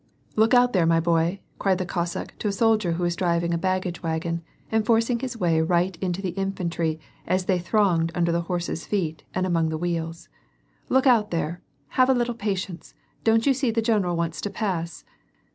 ' Look out there, my boy !" cried the Cossack to a soldier who was driving a baggage wagon and forcing his way right into the infantry, as they thronged under the horses ' feet and among the wheels. " Look out there ! Have a little patience, don't you see the general wants to pass